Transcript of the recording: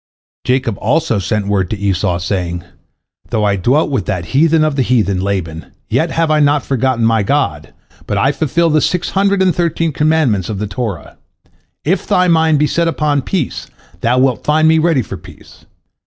Jacob also sent word to Esau, saying: "Though I dwelt with that heathen of the heathen, Laban, yet have I not forgotten my God, but I fulfil the six hundred and thirteen commandments of the Torah. If thy mind be set upon peace, thou wilt find me ready for peace.